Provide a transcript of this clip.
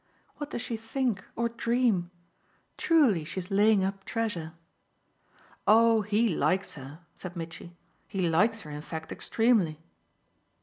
"What does she think or dream? Truly she's laying up treasure!" "Oh he likes her," said Mitchy. "He likes her in fact extremely."